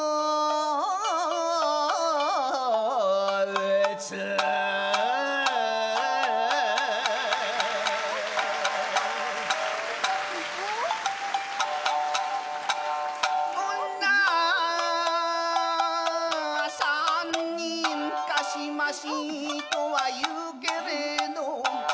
「打つ」「女三人かしましいとは云うけれど」